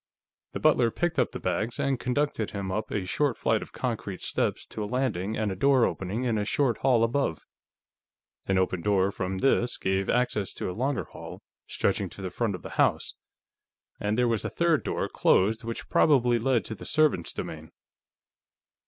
The butler picked up the bags and conducted him up a short flight of concrete steps to a landing and a door opening into a short hall above. An open door from this gave access to a longer hall, stretching to the front of the house, and there was a third door, closed, which probably led to the servants' domain.